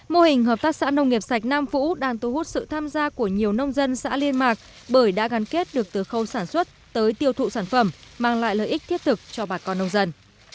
mô hình hợp tác xã nông nghiệp sạch nam vũ đang thu hút sự tham gia của nhiều nông dân xã liên mạc bởi đã gắn kết được từ khâu sản xuất tới tiêu thụ sản phẩm mang lại lợi ích thiết thực cho bà con nông dân